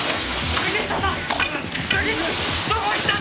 杉下さーん！